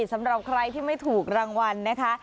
สำหรับใครที่ไม่ถูกรางวัลนะคะ